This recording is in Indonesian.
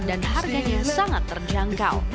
dan harganya sangat terjangkau